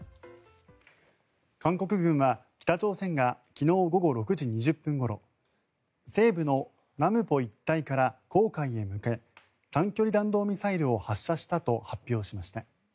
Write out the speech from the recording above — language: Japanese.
韓国軍は北朝鮮が昨日午後６時２０分ごろ西部の南浦一帯から黄海へ向け短距離弾道ミサイルを発射したと発表しました。